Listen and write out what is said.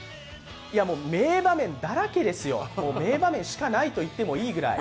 名場面だらけですよ、名場面しかないと言ってもいいぐらい。